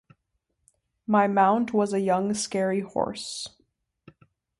My mount was a young scary horse.